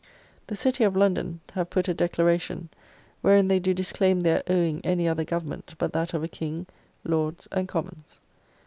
The City of London have put a Declaration, wherein they do disclaim their owing any other government but that of a King, Lords, and Commons.